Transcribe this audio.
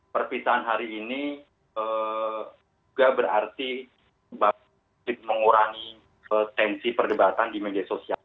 perpisahan hari ini juga berarti mengurangi tensi perdebatan di media sosial